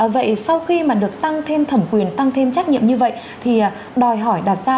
vậy sau khi mà được tăng thêm thẩm quyền tăng thêm trách nhiệm như vậy thì đòi hỏi đặt ra